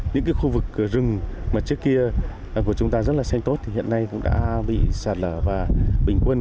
những khu vực rừng trước kia của chúng ta rất là xanh tốt hiện nay cũng đã bị sạt lở và bình quân